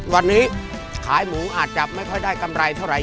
วันนี้ขายหมูอาจจะไม่ค่อยได้กำไรเท่าไห